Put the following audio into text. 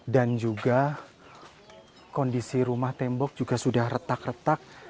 dan juga kondisi rumah tembok juga sudah retak retak